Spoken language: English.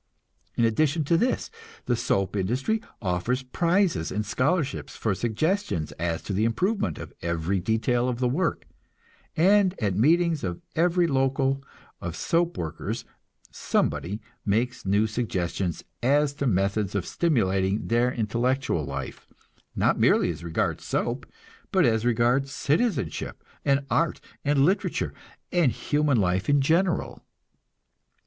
In addition to this, the soap industry offers prizes and scholarships for suggestions as to the improvement of every detail of the work, and at meetings of every local of soap workers somebody makes new suggestions as to methods of stimulating their intellectual life not merely as regards soap, but as regards citizenship, and art and literature, and human life in general.